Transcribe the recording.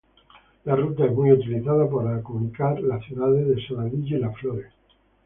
La ruta es muy utilizada por comunicar las ciudades de Saladillo y Las Flores.